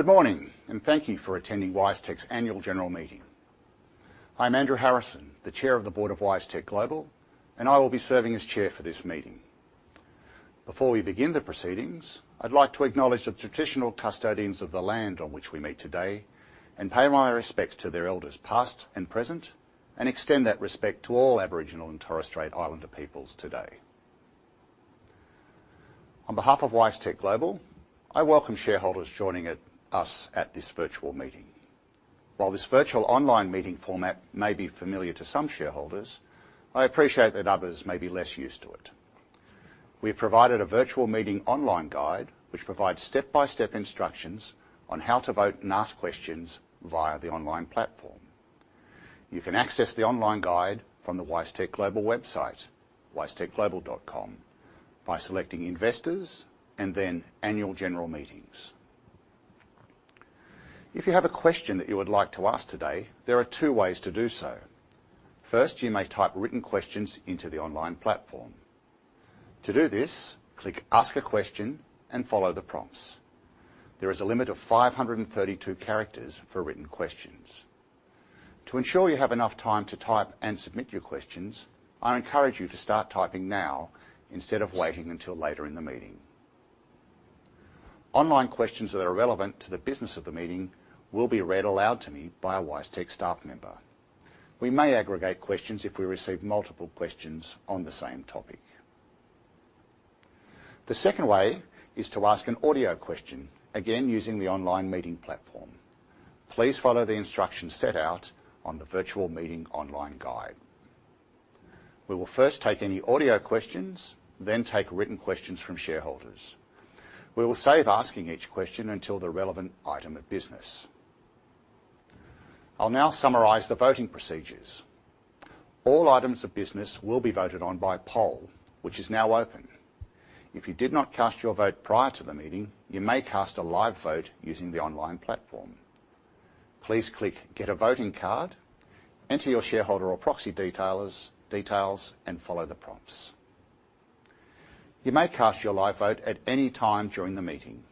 Good morning, and thank you for attending WiseTech's annual general meeting. I'm Andrew Harrison, the chair of the board of WiseTech Global, and I will be serving as chair for this meeting. Before we begin the proceedings, I'd like to acknowledge the traditional custodians of the land on which we meet today and pay my respects to their elders, past and present, and extend that respect to all Aboriginal and Torres Strait Islander peoples today. On behalf of WiseTech Global, I welcome shareholders joining us at this virtual meeting. While this virtual online meeting format may be familiar to some shareholders, I appreciate that others may be less used to it. We have provided a virtual meeting online guide, which provides step-by-step instructions on how to vote and ask questions via the online platform. You can access the online guide from the WiseTech Global website, wisetechglobal.com, by selecting Investors and then Annual General Meetings. If you have a question that you would like to ask today, there are two ways to do so. First, you may type written questions into the online platform. To do this, click Ask a Question and follow the prompts. There is a limit of 532 characters for written questions. To ensure you have enough time to type and submit your questions, I encourage you to start typing now instead of waiting until later in the meeting. Online questions that are relevant to the business of the meeting will be read aloud to me by a WiseTech staff member. We may aggregate questions if we receive multiple questions on the same topic. The second way is to ask an audio question, again, using the online meeting platform. Please follow the instructions set out on the virtual meeting online guide. We will first take any audio questions, then take written questions from shareholders. We will save asking each question until the relevant item of business. I'll now summarize the voting procedures. All items of business will be voted on by poll, which is now open. If you did not cast your vote prior to the meeting, you may cast a live vote using the online platform. Please click Get a Voting Card, enter your shareholder or proxy details, and follow the prompts. You may cast your live vote at any time during the meeting.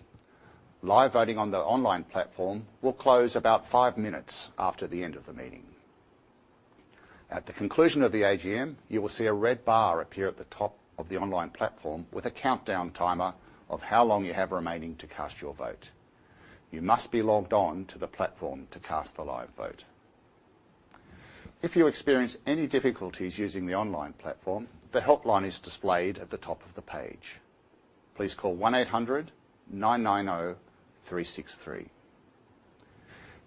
Live voting on the online platform will close about five minutes after the end of the meeting. At the conclusion of the AGM, you will see a red bar appear at the top of the online platform with a countdown timer of how long you have remaining to cast your vote. You must be logged on to the platform to cast a live vote. If you experience any difficulties using the online platform, the helpline is displayed at the top of the page. Please call 1-800-990-363.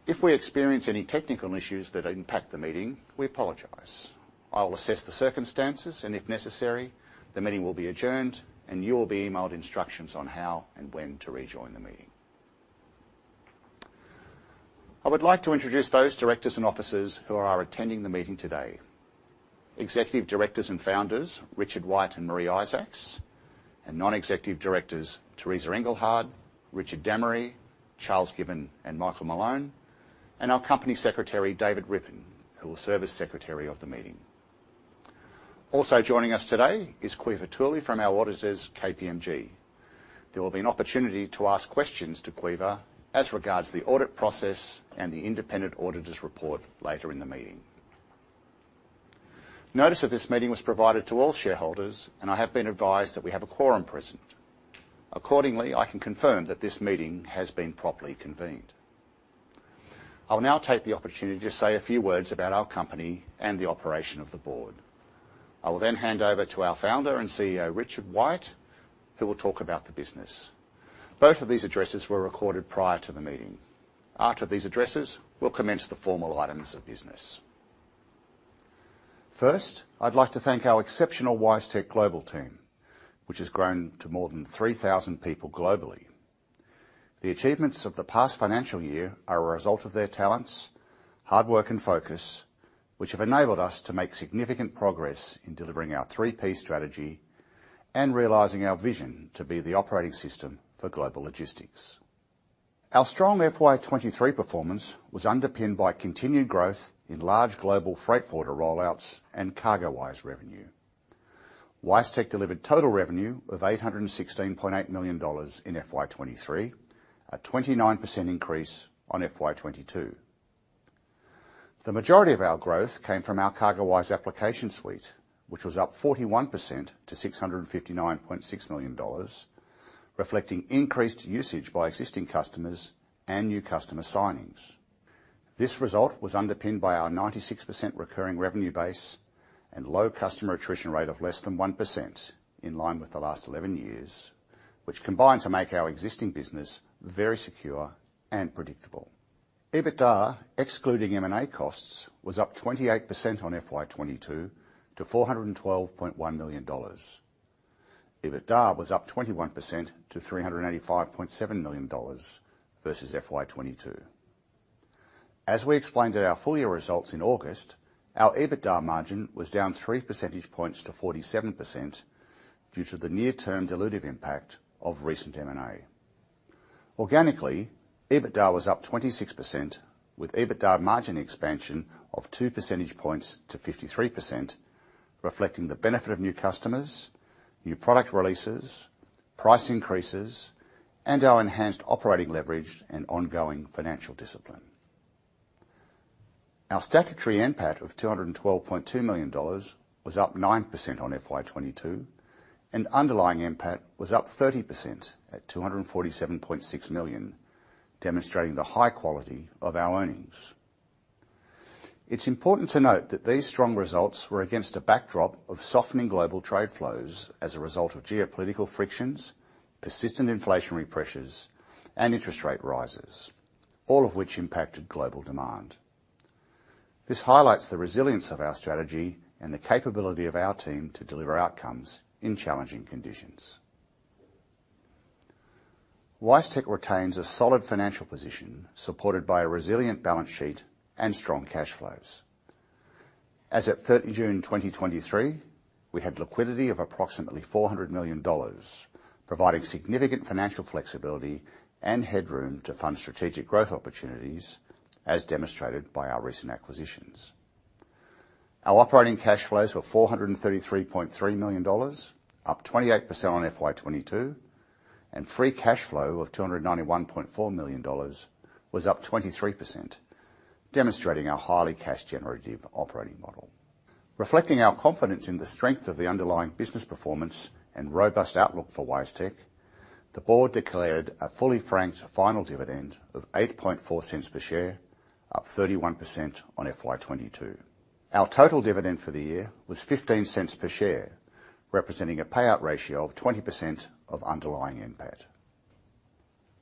If we experience any technical issues that impact the meeting, we apologize. I will assess the circumstances, and if necessary, the meeting will be adjourned and you will be emailed instructions on how and when to rejoin the meeting. I would like to introduce those directors and officers who are attending the meeting today. Executive directors and founders Richard White and Maree Isaacs, and non-executive directors Teresa Engelhard, Richard Dammery, Charles Gibbon, and Michael Malone, and our company secretary, David Rippon, who will serve as secretary of the meeting. Also joining us today is Caoimhe Toole from our auditors, KPMG. There will be an opportunity to ask questions to Caoimhe as regards the audit process and the independent auditor's report later in the meeting. Notice of this meeting was provided to all shareholders, and I have been advised that we have a quorum present. Accordingly, I can confirm that this meeting has been properly convened. I'll now take the opportunity to say a few words about our company and the operation of the board. I will then hand over to our founder and CEO, Richard White, who will talk about the business. Both of these addresses were recorded prior to the meeting. After these addresses, we'll commence the formal items of business. First, I'd like to thank our exceptional WiseTech Global team, which has grown to more than 3,000 people globally. The achievements of the past financial year are a result of their talents, hard work and focus, which have enabled us to make significant progress in delivering our 3P strategy and realizing our vision to be the operating system for global logistics. Our strong FY2023 performance was underpinned by continued growth in large global freight forwarder rollouts and CargoWise revenue. WiseTech delivered total revenue of 816.8 million dollars in FY2023, a 29% increase on FY2022. The majority of our growth came from our CargoWise application suite, which was up 41% to 659.6 million dollars, reflecting increased usage by existing customers and new customer signings. This result was underpinned by our 96% recurring revenue base and low customer attrition rate of less than 1%, in line with the last 11 years, which combined to make our existing business very secure and predictable. EBITDA, excluding M&A costs, was up 28% on FY2022 to 412.1 million dollars. EBITDA was up 21% to 385.7 million dollars versus FY2022. As we explained in our full year results in August, our EBITDA margin was down 3 percentage points to 47% due to the near-term dilutive impact of recent M&A. Organically, EBITDA was up 26%, with EBITDA margin expansion of 2 percentage points to 53%... reflecting the benefit of new customers, new product releases, price increases, and our enhanced operating leverage and ongoing financial discipline. Our statutory NPAT of 212.2 million dollars was up 9% on FY2022, and underlying NPAT was up 30% at 247.6 million, demonstrating the high quality of our earnings. It's important to note that these strong results were against a backdrop of softening global trade flows as a result of geopolitical frictions, persistent inflationary pressures, and interest rate rises, all of which impacted global demand. This highlights the resilience of our strategy and the capability of our team to deliver outcomes in challenging conditions. WiseTech retains a solid financial position, supported by a resilient balance sheet and strong cash flows. As at 30th June 2023, we had liquidity of approximately 400 million dollars, providing significant financial flexibility and headroom to fund strategic growth opportunities, as demonstrated by our recent acquisitions. Our operating cash flows were 433.3 million dollars, up 28% on FY2022, and free cash flow of 291.4 million dollars was up 23%, demonstrating our highly cash-generative operating model. Reflecting our confidence in the strength of the underlying business performance and robust outlook for WiseTech, the board declared a fully franked final dividend of 0.084 per share, up 31% on FY2022. Our total dividend for the year was 0.15 per share, representing a payout ratio of 20% of underlying NPAT.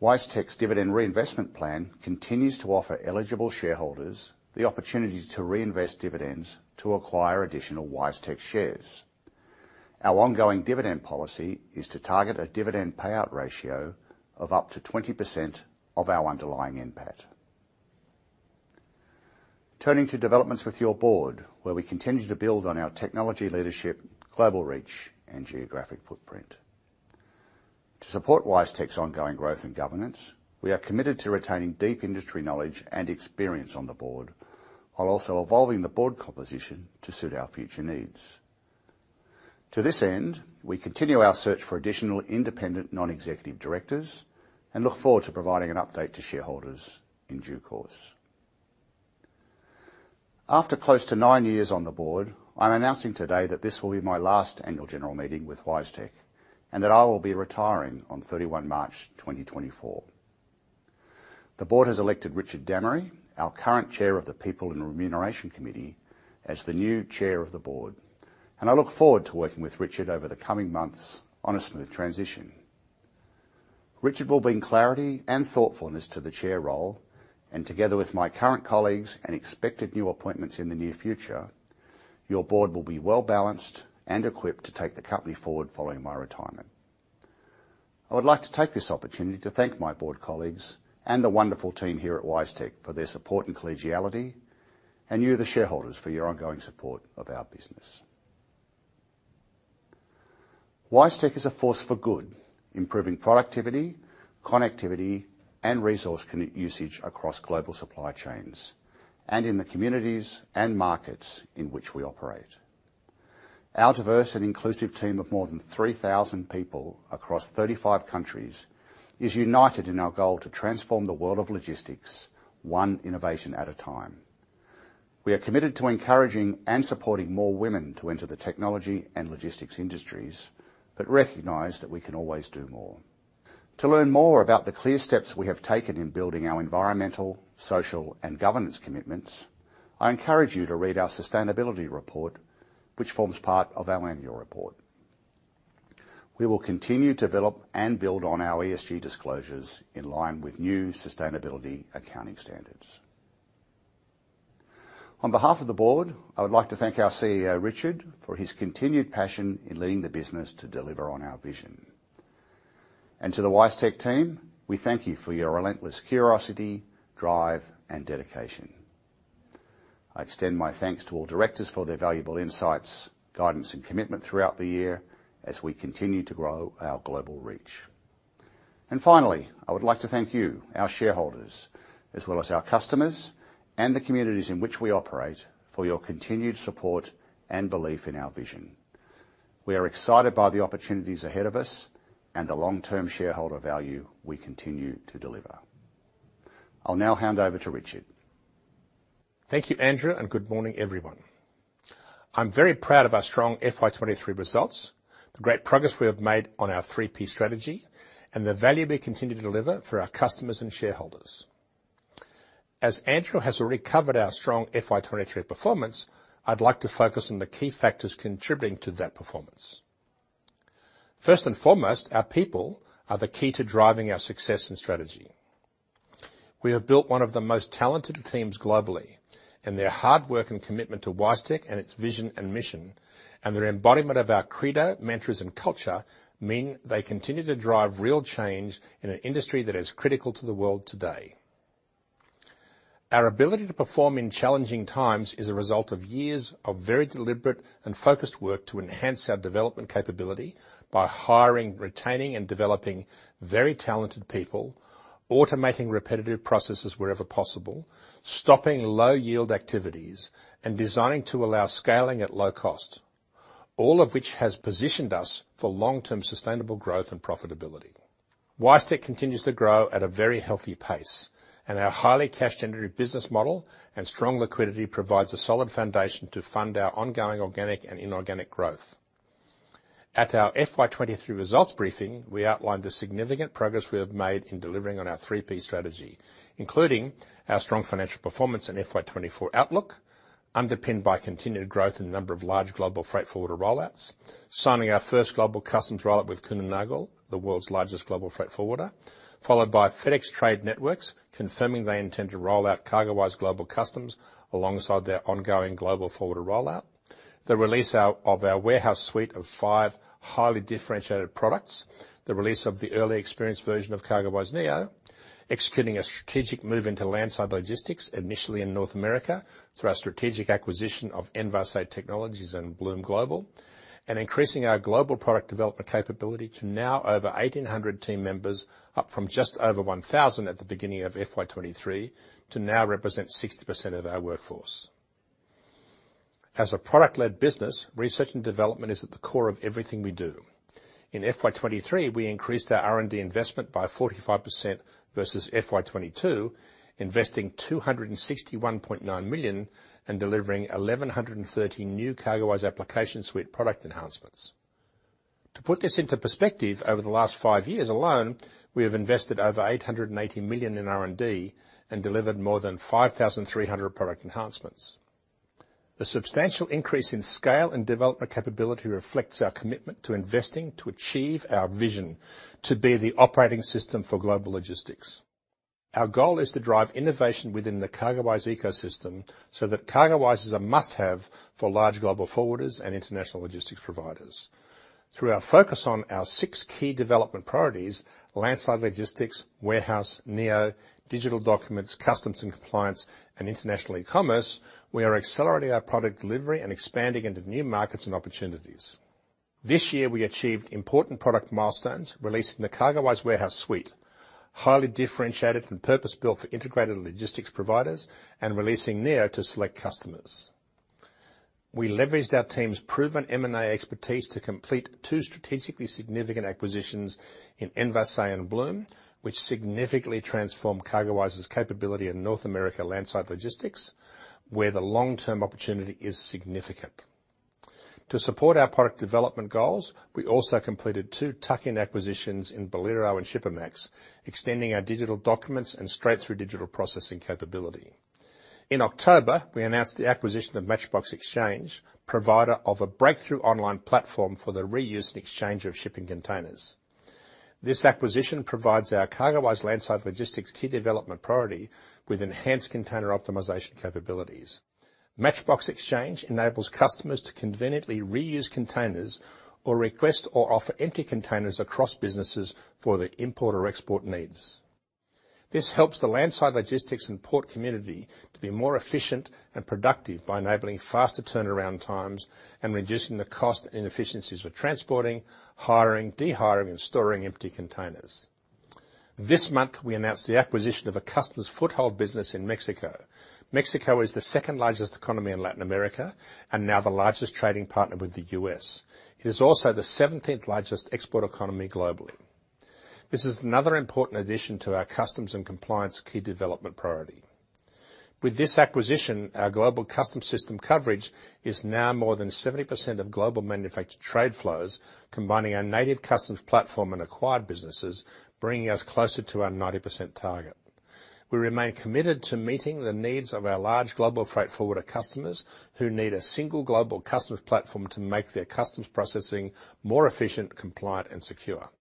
WiseTech's dividend reinvestment plan continues to offer eligible shareholders the opportunity to reinvest dividends to acquire additional WiseTech shares. Our ongoing dividend policy is to target a dividend payout ratio of up to 20% of our underlying NPAT. Turning to developments with your board, where we continue to build on our technology leadership, global reach, and geographic footprint. To support WiseTech's ongoing growth and governance, we are committed to retaining deep industry knowledge and experience on the board, while also evolving the board composition to suit our future needs. To this end, we continue our search for additional independent non-executive directors and look forward to providing an update to shareholders in due course. After close to nine years on the board, I'm announcing today that this will be my last annual general meeting with WiseTech, and that I will be retiring on 31st March 2024. The board has elected Richard Dammery, our current chair of the People and Remuneration Committee, as the new chair of the board, and I look forward to working with Richard over the coming months on a smooth transition. Richard will bring clarity and thoughtfulness to the chair role, and together with my current colleagues and expected new appointments in the near future, your board will be well-balanced and equipped to take the company forward following my retirement. I would like to take this opportunity to thank my board colleagues and the wonderful team here at WiseTech for their support and collegiality, and you, the shareholders, for your ongoing support of our business. WiseTech is a force for good, improving productivity, connectivity, and resource conservation across global supply chains and in the communities and markets in which we operate. Our diverse and inclusive team of more than 3,000 people across 35 countries is united in our goal to transform the world of logistics, one innovation at a time. We are committed to encouraging and supporting more women to enter the technology and logistics industries, but recognize that we can always do more. To learn more about the clear steps we have taken in building our environmental, social, and governance commitments, I encourage you to read our sustainability report, which forms part of our annual report. We will continue to develop and build on our ESG disclosures in line with new sustainability accounting standards. On behalf of the board, I would like to thank our CEO, Richard, for his continued passion in leading the business to deliver on our vision. And to the WiseTech team, we thank you for your relentless curiosity, drive, and dedication. I extend my thanks to all directors for their valuable insights, guidance, and commitment throughout the year as we continue to grow our global reach. Finally, I would like to thank you, our shareholders, as well as our customers and the communities in which we operate, for your continued support and belief in our vision. We are excited by the opportunities ahead of us and the long-term shareholder value we continue to deliver. I'll now hand over to Richard. Thank you, Andrew, and good morning, everyone. I'm very proud of our strong FY2023 results, the great progress we have made on our 3P strategy, and the value we continue to deliver for our customers and shareholders. As Andrew has already covered our strong FY2023 performance, I'd like to focus on the key factors contributing to that performance. First and foremost, our people are the key to driving our success and strategy. We have built one of the most talented teams globally, and their hard work and commitment to WiseTech and its vision and mission, and their embodiment of our credo, mantras, and culture mean they continue to drive real change in an industry that is critical to the world today. Our ability to perform in challenging times is a result of years of very deliberate and focused work to enhance our development capability by hiring, retaining, and developing very talented people, automating repetitive processes wherever possible, stopping low-yield activities, and designing to allow scaling at low cost, all of which has positioned us for long-term sustainable growth and profitability. WiseTech continues to grow at a very healthy pace, and our highly cash-generative business model and strong liquidity provides a solid foundation to fund our ongoing organic and inorganic growth. At our FY2023 results briefing, we outlined the significant progress we have made in delivering on our 3P strategy, including our strong financial performance and FY2024 outlook, underpinned by continued growth in the number of large global freight forwarder rollouts, signing our first global customs rollout with Kuehne+Nagel, the world's largest global freight forwarder, followed by FedEx Trade Networks, confirming they intend to roll out CargoWise Global Customs alongside their ongoing global forwarder rollout. The release of our warehouse suite of five highly differentiated products, the release of the early experience version of CargoWise Neo, executing a strategic move into landside logistics, initially in North America, through our strategic acquisition of Envase Technologies and Blume Global, and increasing our global product development capability to now over 1,800 team members, up from just over 1,000 at the beginning of FY2023, to now represent 60% of our workforce. As a product-led business, research and development is at the core of everything we do. In FY2023, we increased our R&D investment by 45% versus FY2022, investing 261.9 million and delivering 1,130 new CargoWise application suite product enhancements. To put this into perspective, over the last 5 years alone, we have invested over 880 million in R&D and delivered more than 5,300 product enhancements. The substantial increase in scale and development capability reflects our commitment to investing to achieve our vision: to be the operating system for global logistics. Our goal is to drive innovation within the CargoWise ecosystem so that CargoWise is a must-have for large global forwarders and international logistics providers. Through our focus on our six key development priorities: landside logistics, warehouse, Neo, digital documents, customs and compliance, and international e-commerce, we are accelerating our product delivery and expanding into new markets and opportunities. This year, we achieved important product milestones, releasing the CargoWise Warehouse Suite, highly differentiated and purpose-built for integrated logistics providers, and releasing Neo to select customers. We leveraged our team's proven M&A expertise to complete two strategically significant acquisitions in Envase and Blume Global, which significantly transformed CargoWise's capability in North America landside logistics, where the long-term opportunity is significant. To support our product development goals, we also completed two tuck-in acquisitions in Bolero and Shipamax, extending our digital documents and straight-through digital processing capability. In October, we announced the acquisition of MatchBox Exchange, provider of a breakthrough online platform for the reuse and exchange of shipping containers. This acquisition provides our CargoWise landside logistics key development priority with enhanced container optimization capabilities. MatchBox Exchange enables customers to conveniently reuse containers or request or offer empty containers across businesses for the import or export needs. This helps the landside logistics and port community to be more efficient and productive by enabling faster turnaround times and reducing the cost and inefficiencies of transporting, hiring, de-hiring, and storing empty containers. This month, we announced the acquisition of a customs foothold business in Mexico. Mexico is the second largest economy in Latin America and now the largest trading partner with the U.S. It is also the seventeenth largest export economy globally. This is another important addition to our customs and compliance key development priority. With this acquisition, our global customs system coverage is now more than 70% of global manufactured trade flows, combining our native customs platform and acquired businesses, bringing us closer to our 90% target. We remain committed to meeting the needs of our large global freight forwarder customers, who need a single global customs platform to make their customs processing more efficient, compliant, and secure.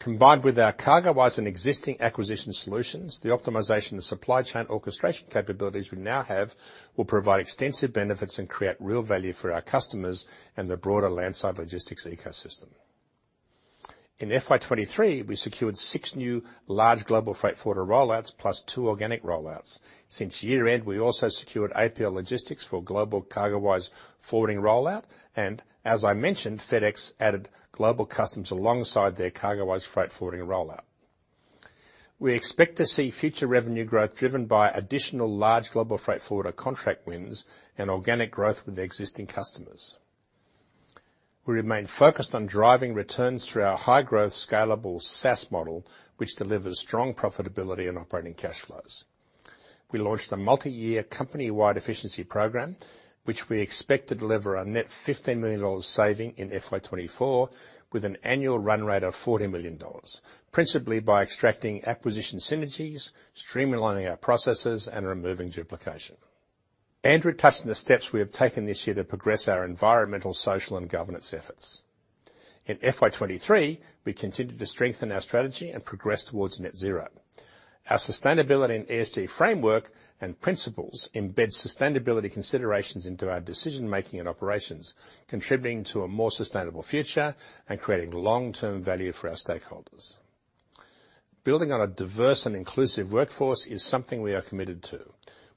Combined with our CargoWise and existing acquisition solutions, the optimization and supply chain orchestration capabilities we now have will provide extensive benefits and create real value for our customers and the broader landside logistics ecosystem. In FY2023, we secured 6 new large global freight forwarder rollouts +2 organic rollouts. Since year-end, we also secured APL Logistics for global CargoWise forwarding rollout, and as I mentioned, FedEx added Global Customs alongside their CargoWise freight forwarding rollout. We expect to see future revenue growth driven by additional large global freight forwarder contract wins and organic growth with existing customers. We remain focused on driving returns through our high-growth, scalable SaaS model, which delivers strong profitability and operating cash flows. We launched a multi-year company-wide efficiency program, which we expect to deliver a net 15 million dollars saving in FY2024, with an annual run rate of 40 million dollars, principally by extracting acquisition synergies, streamlining our processes, and removing duplication. Andrew touched on the steps we have taken this year to progress our environmental, social, and governance efforts. In FY2023, we continued to strengthen our strategy and progress towards net zero. Our sustainability and ESG framework and principles embed sustainability considerations into our decision-making and operations, contributing to a more sustainable future and creating long-term value for our stakeholders. Building on a diverse and inclusive workforce is something we are committed to.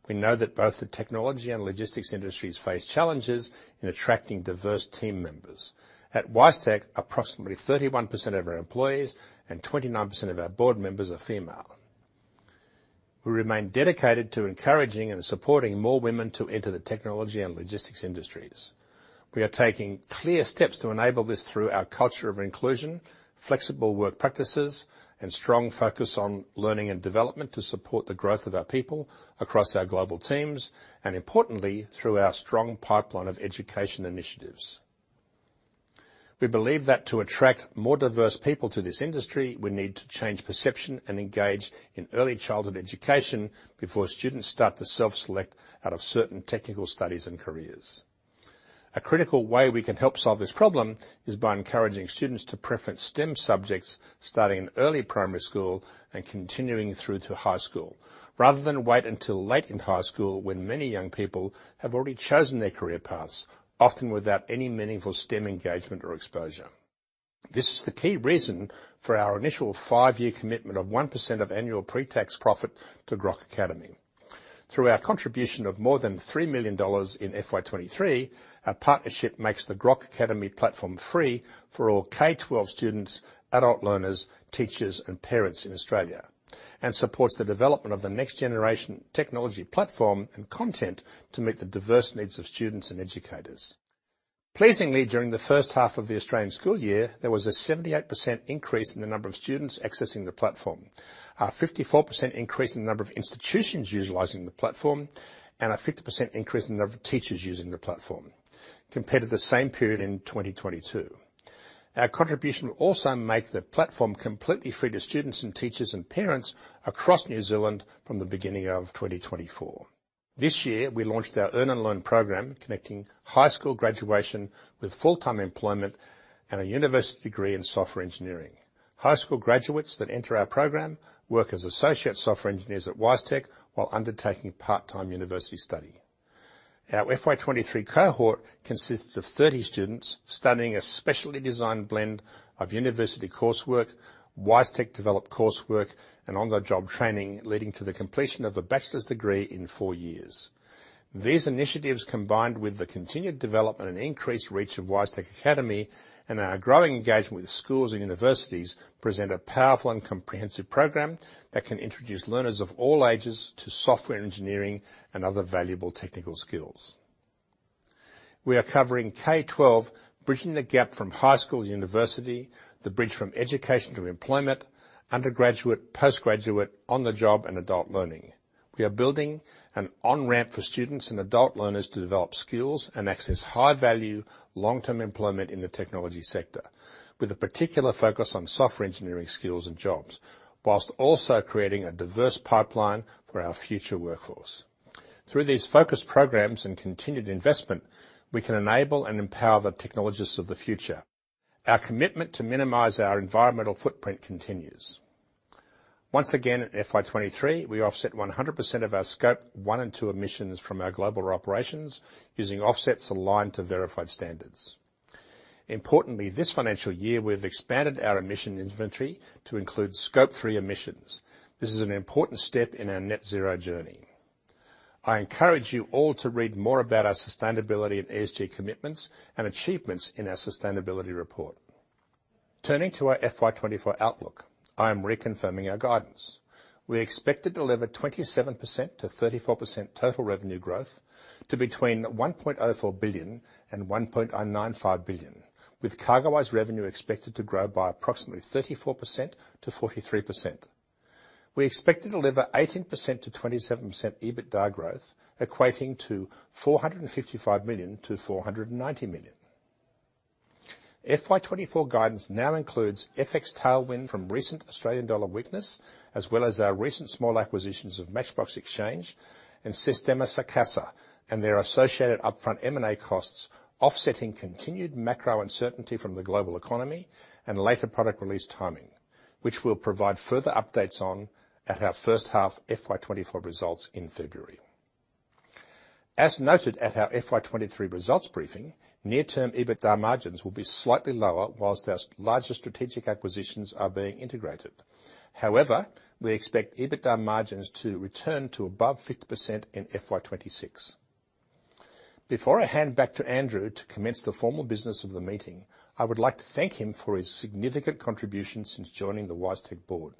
We know that both the technology and logistics industries face challenges in attracting diverse team members. At WiseTech, approximately 31% of our employees and 29% of our board members are female. We remain dedicated to encouraging and supporting more women to enter the technology and logistics industries. We are taking clear steps to enable this through our culture of inclusion, flexible work practices, and strong focus on learning and development to support the growth of our people across our global teams, and importantly, through our strong pipeline of education initiatives. We believe that to attract more diverse people to this industry, we need to change perception and engage in early childhood education before students start to self-select out of certain technical studies and careers. A critical way we can help solve this problem is by encouraging students to preference STEM subjects, starting in early primary school and continuing through to high school, rather than wait until late in high school when many young people have already chosen their career paths, often without any meaningful STEM engagement or exposure. This is the key reason for our initial five-year commitment of 1% of annual pre-tax profit to Grok Academy. Through our contribution of more than 3 million dollars in FY2023, our partnership makes the Grok Academy platform free for all K-12 students, adult learners, teachers, and parents in Australia, and supports the development of the next generation technology platform and content to meet the diverse needs of students and educators. Pleasingly, during the first half of the Australian school year, there was a 78% increase in the number of students accessing the platform, a 54% increase in the number of institutions utilizing the platform, and a 50% increase in the number of teachers using the platform compared to the same period in 2022. Our contribution will also make the platform completely free to students and teachers and parents across New Zealand from the beginning of 2024. This year, we launched our Earn and Learn program, connecting high school graduation with full-time employment and a university degree in software engineering. High school graduates that enter our program work as associate software engineers at WiseTech while undertaking part-time university study. Our FY2023 cohort consists of 30 students studying a specially designed blend of university coursework, WiseTech-developed coursework, and on-the-job training, leading to the completion of a bachelor's degree in four years. These initiatives, combined with the continued development and increased reach of WiseTech Academy and our growing engagement with schools and universities, present a powerful and comprehensive program that can introduce learners of all ages to software engineering and other valuable technical skills. We are covering K-12, bridging the gap from high school to university, the bridge from education to employment, undergraduate, postgraduate, on-the-job, and adult learning. We are building an on-ramp for students and adult learners to develop skills and access high-value, long-term employment in the technology sector, with a particular focus on software engineering skills and jobs, whilst also creating a diverse pipeline for our future workforce. Through these focused programs and continued investment, we can enable and empower the technologists of the future. Our commitment to minimize our environmental footprint continues. Once again, in FY2023, we offset 100% of our Scope 1 and 2 emissions from our global operations using offsets aligned to verified standards. Importantly, this financial year, we've expanded our emission inventory to include Scope 3 emissions. This is an important step in our net zero journey. I encourage you all to read more about our sustainability and ESG commitments and achievements in our sustainability report. Turning to our FY2024 outlook, I am reconfirming our guidance. We expect to deliver 27%-34% total revenue growth to between 1.04 billion and 1.95 billion, with CargoWise revenue expected to grow by approximately 34%-43%. We expect to deliver 18%-27% EBITDA growth, equating to 455 million-490 million. FY2024 guidance now includes FX tailwind from recent Australian dollar weakness, as well as our recent small acquisitions of MatchBox Exchange and Sistemas Casa, and their associated upfront M&A costs, offsetting continued macro uncertainty from the global economy and later product release timing, which we'll provide further updates on at our first half FY2024 results in February. As noted at our FY2023 results briefing, near-term EBITDA margins will be slightly lower while our larger strategic acquisitions are being integrated. However, we expect EBITDA margins to return to above 50% in FY2026. Before I hand back to Andrew to commence the formal business of the meeting, I would like to thank him for his significant contribution since joining the WiseTech board.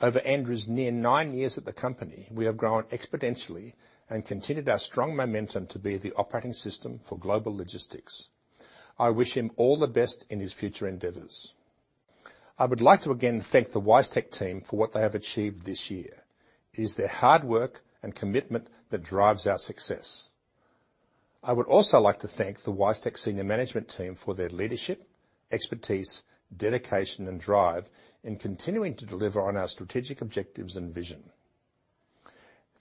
Over Andrew's near nine years at the company, we have grown exponentially and continued our strong momentum to be the operating system for global logistics. I wish him all the best in his future endeavors. I would like to again thank the WiseTech team for what they have achieved this year. It is their hard work and commitment that drives our success. I would also like to thank the WiseTech senior management team for their leadership, expertise, dedication, and drive in continuing to deliver on our strategic objectives and vision.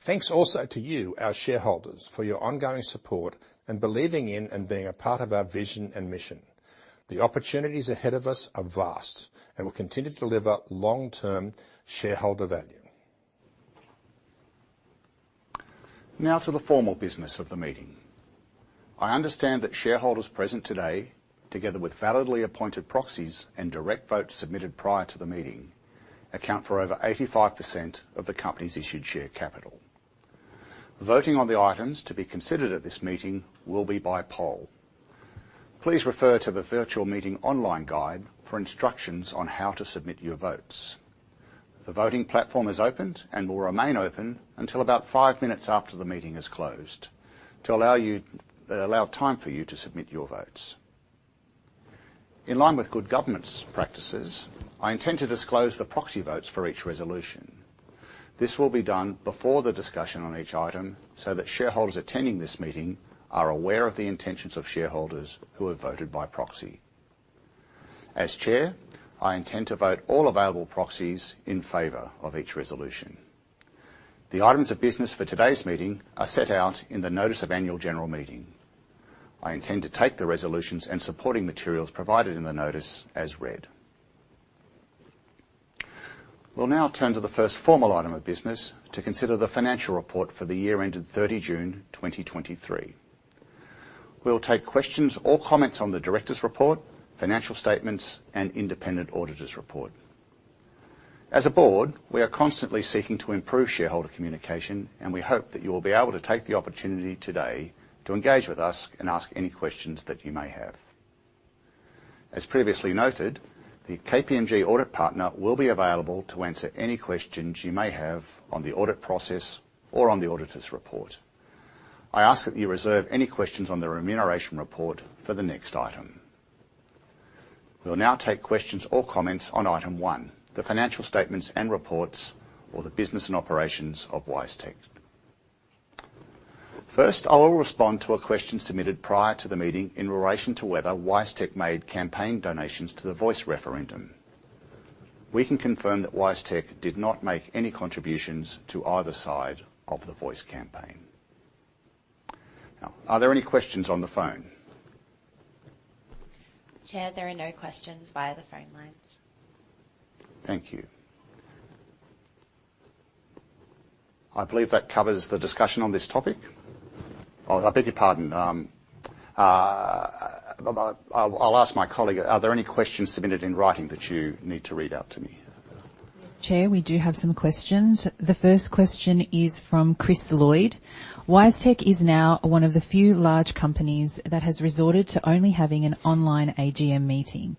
Thanks also to you, our shareholders, for your ongoing support and believing in and being a part of our vision and mission. The opportunities ahead of us are vast, and we'll continue to deliver long-term shareholder value. Now to the formal business of the meeting. I understand that shareholders present today, together with validly appointed proxies and direct votes submitted prior to the meeting, account for over 85% of the company's issued share capital. Voting on the items to be considered at this meeting will be by poll. Please refer to the virtual meeting online guide for instructions on how to submit your votes. The voting platform is opened and will remain open until about 5 minutes after the meeting is closed to allow time for you to submit your votes. In line with good governance practices, I intend to disclose the proxy votes for each resolution. This will be done before the discussion on each item, so that shareholders attending this meeting are aware of the intentions of shareholders who have voted by proxy. As chair, I intend to vote all available proxies in favor of each resolution. The items of business for today's meeting are set out in the Notice of Annual General Meeting. I intend to take the resolutions and supporting materials provided in the notice as read. We'll now turn to the first formal item of business to consider the financial report for the year ended 30th June 2023. We'll take questions or comments on the directors' report, financial statements, and independent auditors' report. As a board, we are constantly seeking to improve shareholder communication, and we hope that you will be able to take the opportunity today to engage with us and ask any questions that you may have. As previously noted, the KPMG audit partner will be available to answer any questions you may have on the audit process or on the auditors' report. I ask that you reserve any questions on the remuneration report for the next item. We'll now take questions or comments on item 1, the financial statements and reports or the business and operations of WiseTech. First, I will respond to a question submitted prior to the meeting in relation to whether WiseTech made campaign donations to the Voice referendum. We can confirm that WiseTech did not make any contributions to either side of the Voice campaign. Now, are there any questions on the phone? Chair, there are no questions via the phone lines. Thank you. I believe that covers the discussion on this topic. Oh, I beg your pardon, I'll ask my colleague: Are there any questions submitted in writing that you need to read out to me? Chair, we do have some questions. The first question is from Chris Lloyd, WiseTech is now one of the few large companies that has resorted to only having an online AGM meeting.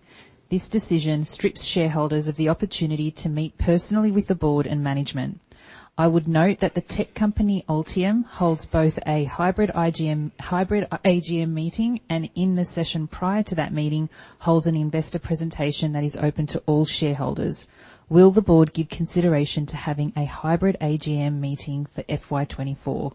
This decision strips shareholders of the opportunity to meet personally with the board and management. I would note that the tech company, Altium, holds both a hybrid AGM meeting, and in the session prior to that meeting, holds an investor presentation that is open to all shareholders. Will the board give consideration to having a hybrid AGM meeting for FY2024?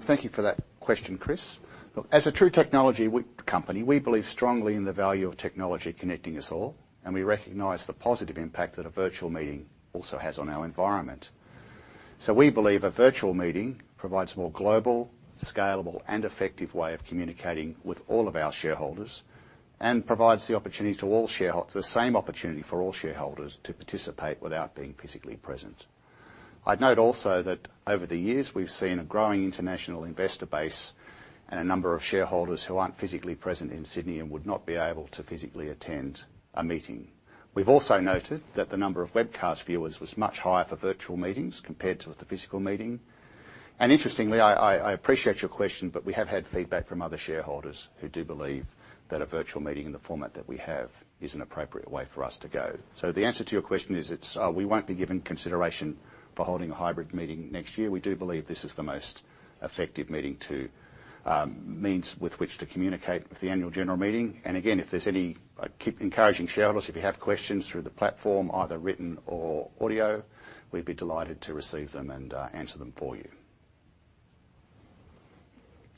Thank you for that question, Chris. Look, as a true technology company, we believe strongly in the value of technology connecting us all, and we recognize the positive impact that a virtual meeting also has on our environment. So we believe a virtual meeting provides more global, scalable, and effective way of communicating with all of our shareholders and provides the opportunity to all share the same opportunity for all shareholders to participate without being physically present. I'd note also that over the years, we've seen a growing international investor base and a number of shareholders who aren't physically present in Sydney and would not be able to physically attend a meeting. We've also noted that the number of webcast viewers was much higher for virtual meetings compared to the physical meeting. And interestingly, I appreciate your question, but we have had feedback from other shareholders who do believe that a virtual meeting in the format that we have is an appropriate way for us to go. So the answer to your question is, it's we won't be giving consideration for holding a hybrid meeting next year. We do believe this is the most effective meeting to means with which to communicate with the annual general meeting. Again, if there's any. I keep encouraging shareholders, if you have questions through the platform, either written or audio, we'd be delighted to receive them and answer them for you.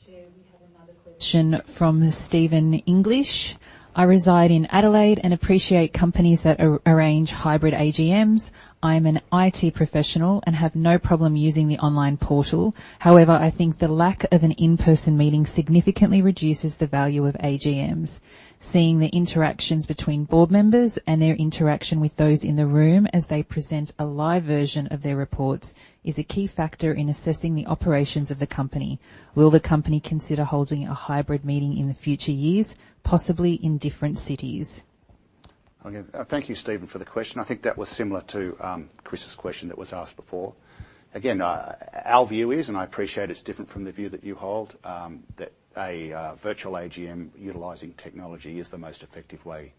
Chair, we have another question from Stephen English. I reside in Adelaide and appreciate companies that arrange hybrid AGMs. I'm an IT professional and have no problem using the online portal. However, I think the lack of an in-person meeting significantly reduces the value of AGMs. Seeing the interactions between board members and their interaction with those in the room as they present a live version of their reports is a key factor in assessing the operations of the company. Will the company consider holding a hybrid meeting in the future years, possibly in different cities? Okay. Thank you, Stephen, for the question. I think that was similar to Chris's question that was asked before. Again, our view is, and I appreciate it's different from the view that you hold, that a virtual AGM utilizing technology is the most effective way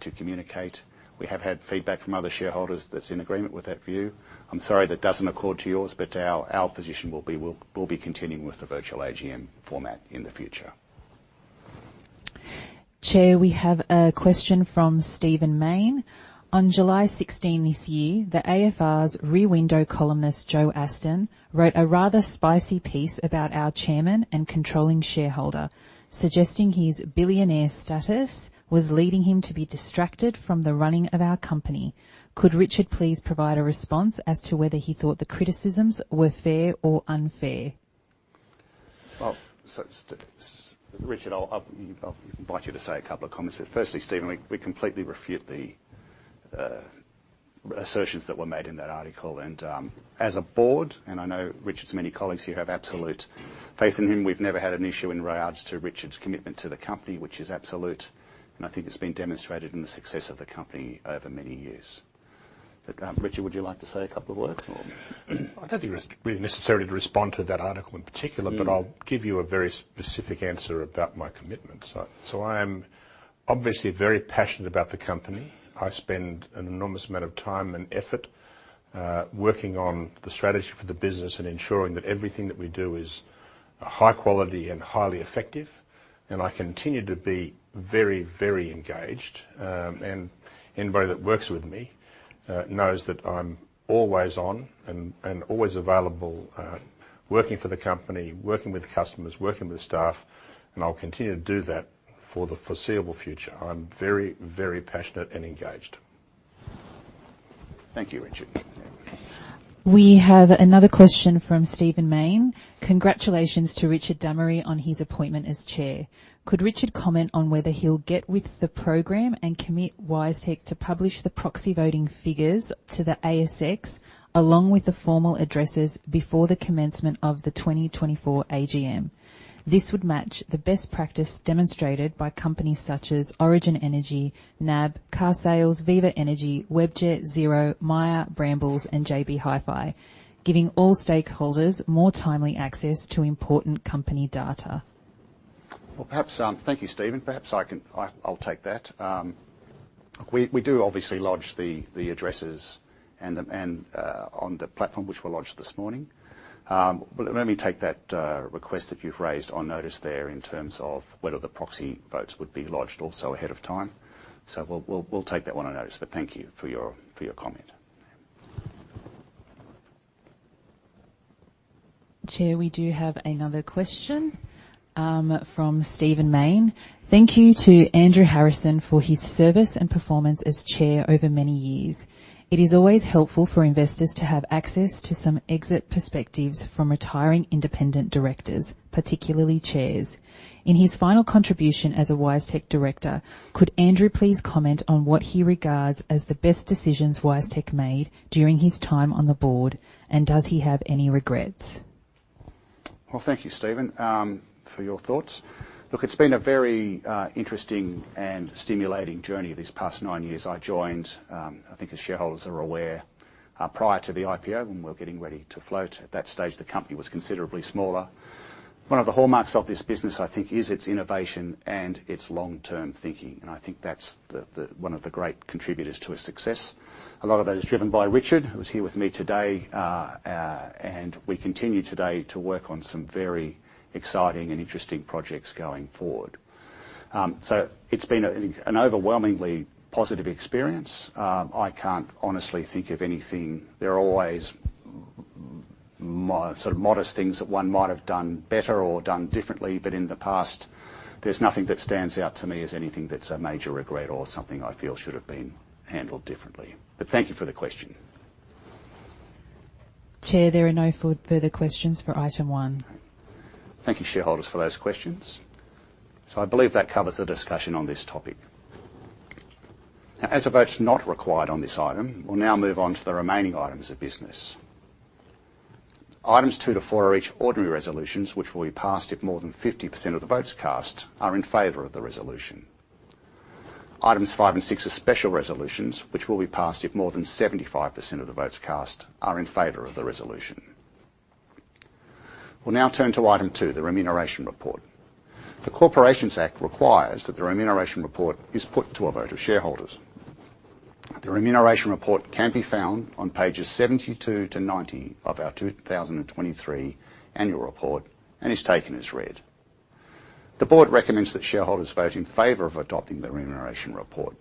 to communicate. We have had feedback from other shareholders that's in agreement with that view. I'm sorry that doesn't accord to yours, but our position will be we'll be continuing with the virtual AGM format in the future. Chair, we have a question from Stephen Mayne. On July 16th this year, the AFR's Rear Window columnist, Joe Aston, wrote a rather spicy piece about our chairman and controlling shareholder, suggesting his billionaire status was leading him to be distracted from the running of our company. Could Richard please provide a response as to whether he thought the criticisms were fair or unfair? Well, so Richard, I'll invite you to say a couple of comments. But firstly, Stephen, we completely refute the assertions that were made in that article. And as a board, and I know Richard's many colleagues here have absolute faith in him, we've never had an issue in regards to Richard's commitment to the company, which is absolute, and I think it's been demonstrated in the success of the company over many years. But Richard, would you like to say a couple of words or? I don't think there's really necessarily to respond to that article in particular. But I'll give you a very specific answer about my commitment. So, I am obviously very passionate about the company. I spend an enormous amount of time and effort working on the strategy for the business and ensuring that everything that we do is high quality and highly effective, and I continue to be very, very engaged. And anybody that works with me knows that I'm always on and always available working for the company, working with customers, working with staff, and I'll continue to do that for the foreseeable future. I'm very, very passionate and engaged. Thank you, Richard. We have another question from Stephen Mayne. "Congratulations to Richard Dammery on his appointment as chair. Could Richard comment on whether he'll get with the program and commit WiseTech to publish the proxy voting figures to the ASX, along with the formal addresses before the commencement of the 2024 AGM? This would match the best practice demonstrated by companies such as Origin Energy, NAB, Carsales, Viva Energy, Webjet, Xero, Myer, Brambles and JB Hi-Fi, giving all stakeholders more timely access to important company data. Well, perhaps. Thank you, Stephen. Perhaps I can, I, I'll take that. We do obviously lodge the addresses and on the platform which were lodged this morning. But let me take that request that you've raised on notice there in terms of whether the proxy votes would be lodged also ahead of time. So we'll take that one on notice, but thank you for your comment. Chair, we do have another question from Stephen Mayne, "Thank you to Andrew Harrison for his service and performance as chair over many years. It is always helpful for investors to have access to some exit perspectives from retiring independent directors, particularly chairs. In his final contribution as a WiseTech director, could Andrew please comment on what he regards as the best decisions WiseTech made during his time on the board, and does he have any regrets? Well, thank you, Stephen, for your thoughts. Look, it's been a very, interesting and stimulating journey these past nine years. I joined, I think as shareholders are aware, prior to the IPO, when we were getting ready to float. At that stage, the company was considerably smaller. One of the hallmarks of this business, I think, is its innovation and its long-term thinking, and I think that's the one of the great contributors to its success. A lot of that is driven by Richard, who's here with me today, and we continue today to work on some very exciting and interesting projects going forward. So it's been a, an overwhelmingly positive experience. I can't honestly think of anything. There are always sort of modest things that one might have done better or done differently, but in the past, there's nothing that stands out to me as anything that's a major regret or something I feel should have been handled differently. But thank you for the question. Chair, there are no further questions for item one. Thank you, shareholders, for those questions. So I believe that covers the discussion on this topic. Now, as a vote's not required on this item, we'll now move on to the remaining items of business. Items 2-4 are each ordinary resolutions, which will be passed if more than 50% of the votes cast are in favor of the resolution. Items 5 and 6 are special resolutions, which will be passed if more than 75% of the votes cast are in favor of the resolution. We'll now turn to item 2, the remuneration report. The Corporations Act requires that the remuneration report is put to a vote of shareholders. The remuneration report can be found on pages 72-90 of our 2023 annual report and is taken as read. The board recommends that shareholders vote in favor of adopting the remuneration report.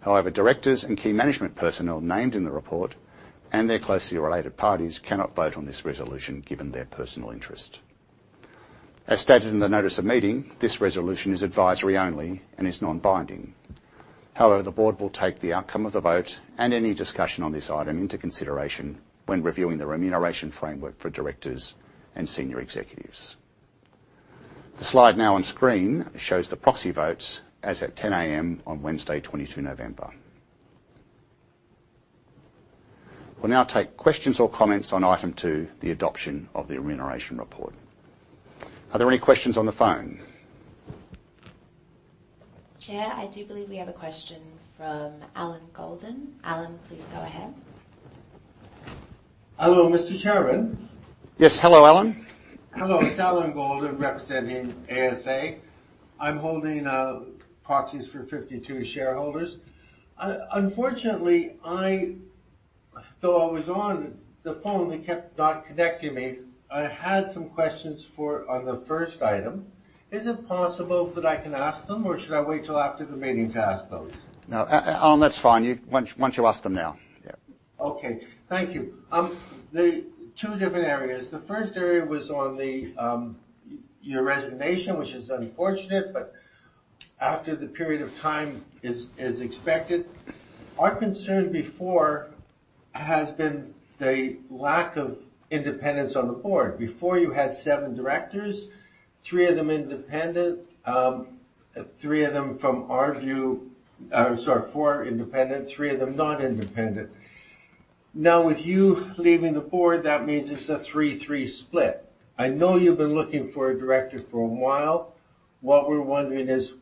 However, directors and key management personnel named in the report, and their closely related parties, cannot vote on this resolution given their personal interest. As stated in the notice of meeting, this resolution is advisory only and is non-binding. However, the board will take the outcome of the vote and any discussion on this item into consideration when reviewing the remuneration framework for directors and senior executives. The slide now on screen shows the proxy votes as at 10:00 A.M. on Wednesday, 22nd November. We'll now take questions or comments on item 2, the adoption of the remuneration report. Are there any questions on the phone? Chair, I do believe we have a question from Allan Goldin. Allan, please go ahead. Hello, Mr. Chairman? Yes. Hello, Allan. Hello. It's Allan Goldin, representing ASA. I'm holding proxies for 52 shareholders. Unfortunately, though I was on the phone, they kept not connecting me. I had some questions for, on the first item. Is it possible that I can ask them, or should I wait till after the meeting to ask those? No, Allan, that's fine. Why don't you ask them now? Yeah. Okay. Thank you. The two different areas. The first area was on the, your resignation, which is unfortunate, but after the period of time, is expected. Our concern before has been the lack of independence on the board. Before, you had 7 directors, 3 of them independent, 3 of them from our view, 4 independent, 3 of them not independent. Now, with you leaving the board, that means it's a 3-3 split. I know you've been looking for a director for a while. What we're wondering is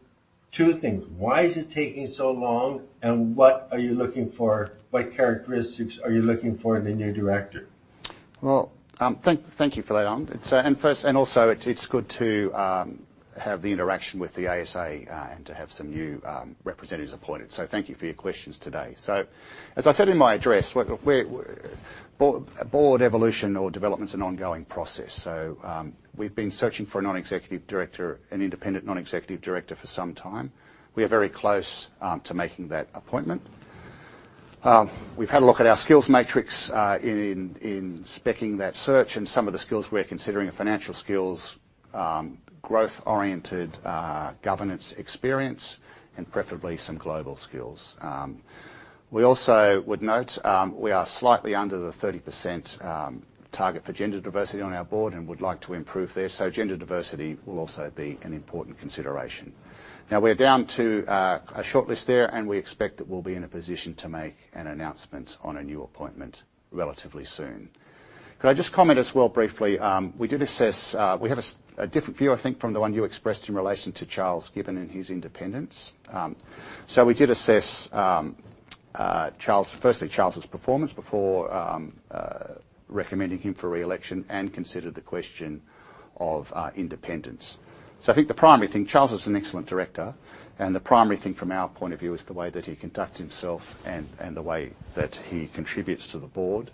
2 things: Why is it taking so long, and what are you looking for? What characteristics are you looking for in a new director? Well, thank you for that, Allan. And first and also, it's good to have the interaction with the ASA, and to have some new representatives appointed, so thank you for your questions today. So as I said in my address, we're board evolution or development is an ongoing process, so we've been searching for a non-executive director, an independent, non-executive director for some time. We are very close to making that appointment. We've had a look at our skills matrix, in speccing that search, and some of the skills we're considering are financial skills, growth-oriented, governance experience, and preferably some global skills. We also would note, we are slightly under the 30% target for gender diversity on our board and would like to improve there, so gender diversity will also be an important consideration. Now, we're down to a shortlist there, and we expect that we'll be in a position to make an announcement on a new appointment relatively soon. Could I just comment as well briefly? We did assess. We have a different view, I think, from the one you expressed in relation to Charles, given his independence. So we did assess, Charles, firstly, Charles's performance before recommending him for re-election and considered the question of independence. So I think the primary thing, Charles is an excellent director, and the primary thing from our point of view is the way that he conducts himself and the way that he contributes to the board.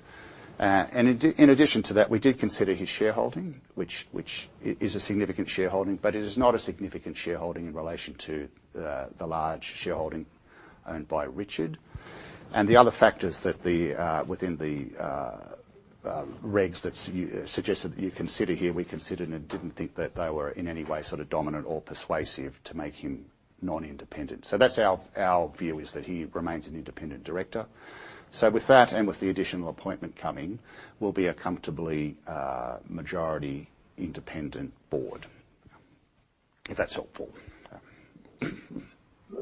And in addition to that, we did consider his shareholding, which is a significant shareholding, but it is not a significant shareholding in relation to the large shareholding owned by Richard. And the other factors within the regs that suggest that you consider here, we considered and didn't think that they were in any way sort of dominant or persuasive to make him non-independent. So that's our view, is that he remains an independent director. So with that and with the additional appointment coming, we'll be a comfortably majority independent board, if that's helpful.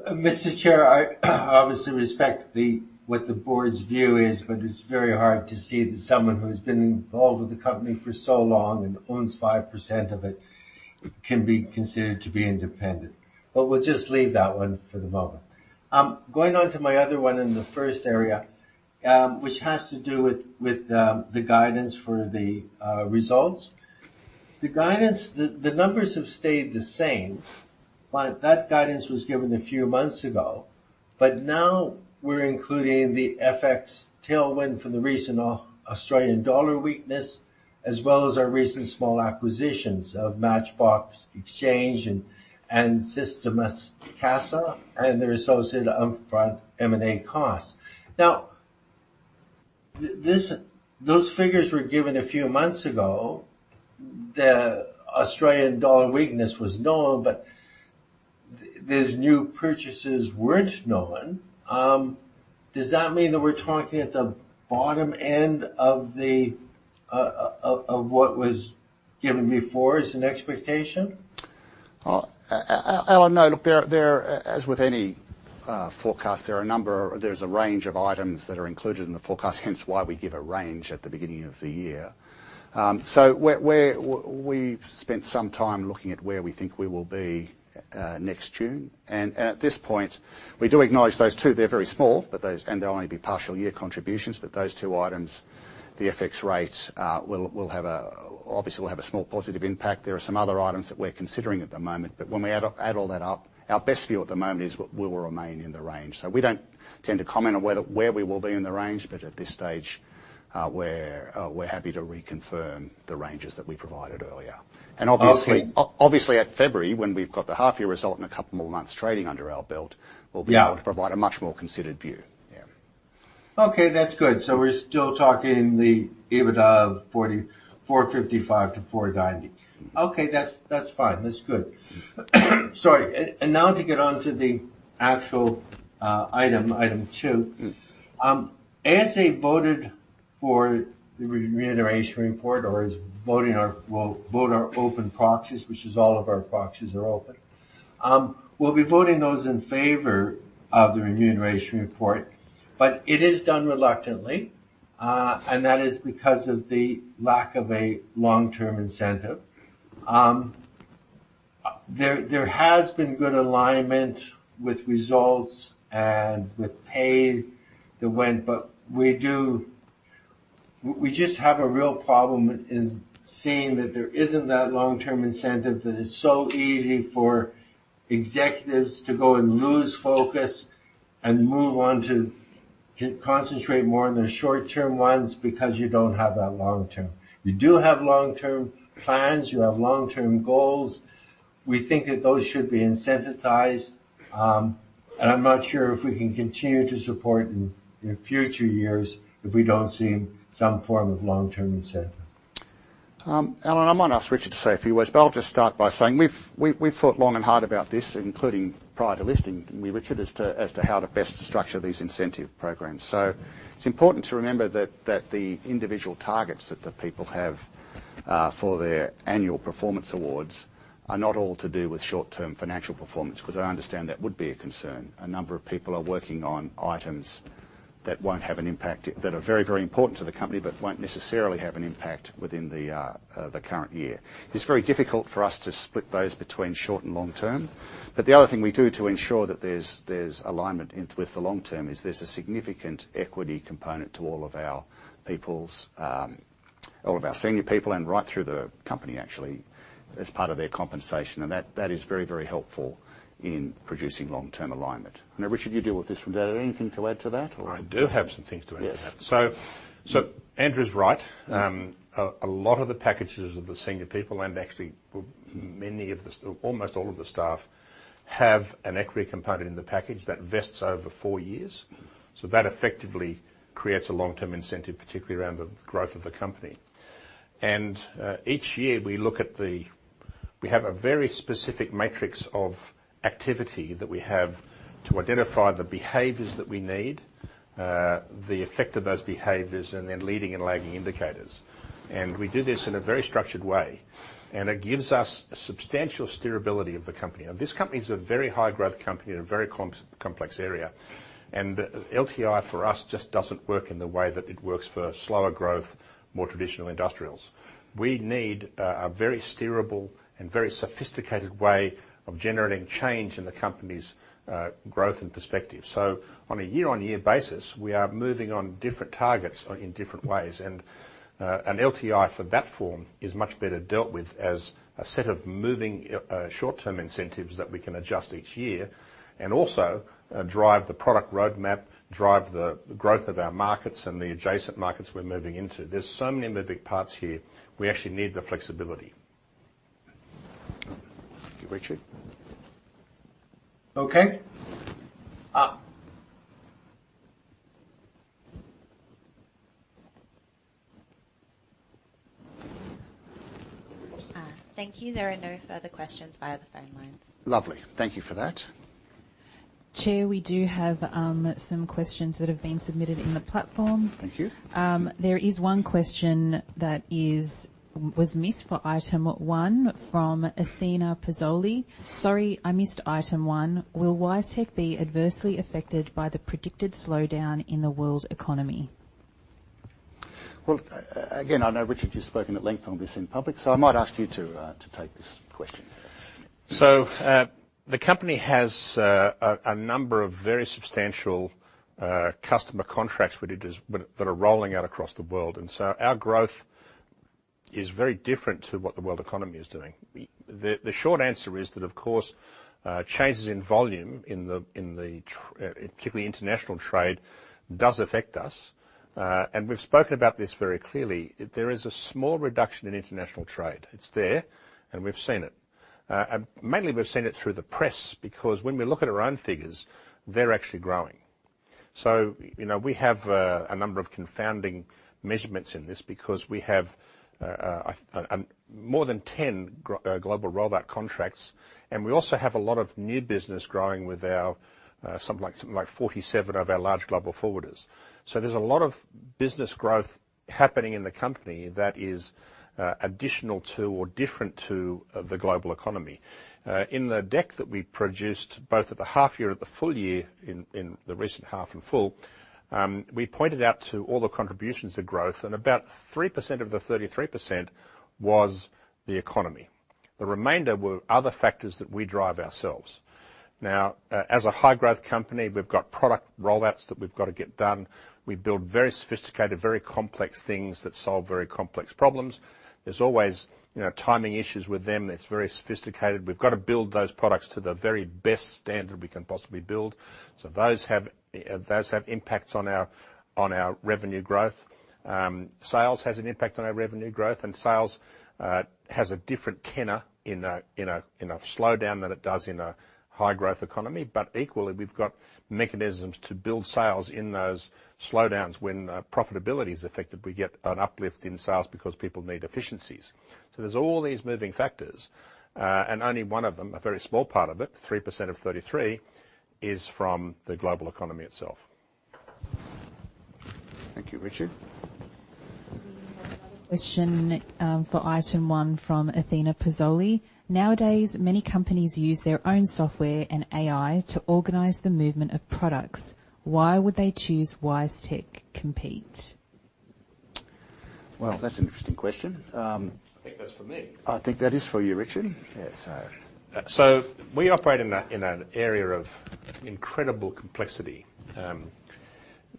Mr. Chair, I obviously respect the, what the board's view is, but it's very hard to see that someone who has been involved with the company for so long and owns 5% of it, can be considered to be independent. But we'll just leave that one for the moment. Going on to my other one in the first area, which has to do with, with, the guidance for the, results. The guidance, the, the numbers have stayed the same, but that guidance was given a few months ago. But now we're including the FX tailwind from the recent Australian dollar weakness, as well as our recent small acquisitions of MatchBox Exchange and, and Sistemas Casa, and the associated upfront M&A costs. Now, those figures were given a few months ago. The Australian dollar weakness was known, but these new purchases weren't known. Does that mean that we're talking at the bottom end of the, of what was given before as an expectation? Allan, no. Look, there, there, as with any forecast, there are a number of there's a range of items that are included in the forecast, hence why we give a range at the beginning of the year. So where we've spent some time looking at where we think we will be next June, and at this point, we do acknowledge those two. They're very small, but those and they'll only be partial year contributions, but those two items, the FX rates, will have a obviously will have a small positive impact. There are some other items that we're considering at the moment, but when we add all that up, our best view at the moment is we will remain in the range. So we don't tend to comment on where the, where we will be in the range, but at this stage, we're happy to reconfirm the ranges that we provided earlier. Obviously, at February, when we've got the half year result and a couple more months trading under our belt. Yeah We'll be able to provide a much more considered view. Yeah. Okay, that's good. So we're still talking the EBITDA of 455-490. Okay, that's fine. That's good. Sorry. Now to get on to the actual item two. ASA voted for the remuneration report, or is voting our, well, vote our open proxies, which is all of our proxies are open. We'll be voting those in favor of the remuneration report, but it is done reluctantly, and that is because of the lack of a long-term incentive. There has been good alignment with results and with pay, but we do, we just have a real problem in seeing that there isn't that long-term incentive, that it's so easy for executives to go and lose focus and move on to concentrate more on the short-term ones, because you don't have that long-term. You do have long-term plans. You have long-term goals. We think that those should be incentivized, and I'm not sure if we can continue to support in future years if we don't see some form of long-term incentive. Allan, I might ask Richard to say a few words, but I'll just start by saying we've thought long and hard about this, including prior to listing with Richard, as to how to best structure these incentive programs. So it's important to remember that the individual targets that the people have for their annual performance awards are not all to do with short-term financial performance, because I understand that would be a concern. A number of people are working on items that won't have an impact, that are very, very important to the company, but won't necessarily have an impact within the current year. It's very difficult for us to split those between short and long term. But the other thing we do to ensure that there's alignment in with the long term is there's a significant equity component to all of our peoples, all of our senior people and right through the company, actually, as part of their compensation. That is very, very helpful in producing long-term alignment. I know, Richard, you deal with this from day to day. Anything to add to that, or? I do have some things to add to that. Yes. So, so Andrew's right. A lot of the packages of the senior people and actually many of the, almost all of the staff, have an equity component in the package that vests over four years. So that effectively creates a long-term incentive, particularly around the growth of the company. Each year, we look at the—we have a very specific matrix of activity that we have to identify the behaviors that we need, the effect of those behaviors, and then leading and lagging indicators. And we do this in a very structured way, and it gives us a substantial steerability of the company. Now, this company is a very high-growth company in a very complex area, and LTI, for us, just doesn't work in the way that it works for slower growth, more traditional industrials. We need a very steerable and very sophisticated way of generating change in the company's growth and perspective. So on a year-on-year basis, we are moving on different targets in different ways, and an LTI for that form is much better dealt with as a set of moving short-term incentives that we can adjust each year and also drive the product roadmap, drive the growth of our markets and the adjacent markets we're moving into. There's so many moving parts here, we actually need the flexibility. Thank you, Richard. Okay. Thank you. There are no further questions via the phone lines. Lovely. Thank you for that. Chair, we do have some questions that have been submitted in the platform. Thank you. There is one question that is, was missed for item one from Athena Pazzolli, "Sorry, I missed item one. Will WiseTech be adversely affected by the predicted slowdown in the world's economy? Well, again, I know, Richard, you've spoken at length on this in public, so I might ask you to take this question. So, the company has a number of very substantial customer contracts with it that are rolling out across the world, and so our growth is very different to what the world economy is doing. The short answer is that, of course, changes in volume in the trade, particularly international trade, does affect us. And we've spoken about this very clearly. There is a small reduction in international trade. It's there, and we've seen it. Mainly, we've seen it through the press, because when we look at our own figures, they're actually growing. So, you know, we have a number of confounding measurements in this because we have more than 10 global rollout contracts, and we also have a lot of new business growing with our something like, something like 47 of our large global forwarders. So there's a lot of business growth happening in the company that is, additional to or different to the global economy. In the deck that we produced, both at the half year and the full year, in the recent half and full, we pointed out to all the contributions to growth, and about 3% of the 33% was the economy. The remainder were other factors that we drive ourselves. Now, as a high-growth company, we've got product rollouts that we've got to get done. We build very sophisticated, very complex things that solve very complex problems. There's always, you know, timing issues with them. It's very sophisticated. We've got to build those products to the very best standard we can possibly build. So those have impacts on our revenue growth. Sales has an impact on our revenue growth, and sales has a different tenor in a slowdown than it does in a high-growth economy. But equally, we've got mechanisms to build sales in those slowdowns. When profitability is affected, we get an uplift in sales because people need efficiencies. So there's all these moving factors, and only one of them, a very small part of it, 3% of 33, is from the global economy itself. Thank you, Richard. We have another question, for item one from Athena Pazzolli, "Nowadays, many companies use their own software and AI to organize the movement of products. Why would they choose WiseTech compete? Well, that's an interesting question. I think that's for me. I think that is for you, Richard. Yeah, so. So we operate in an area of incredible complexity.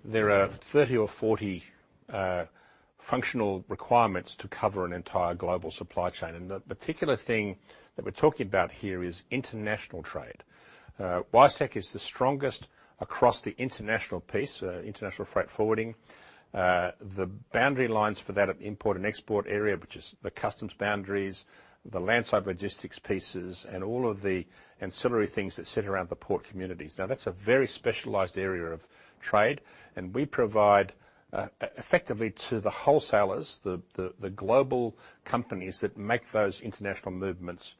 There are 30 or 40 functional requirements to cover an entire global supply chain, and the particular thing that we're talking about here is international trade. WiseTech is the strongest across the international piece, international freight forwarding. The boundary lines for that are the import and export area, which is the customs boundaries, the landside logistics pieces, and all of the ancillary things that sit around the port communities. Now, that's a very specialized area of trade, and we provide effectively to the wholesalers, the global companies that make those international movements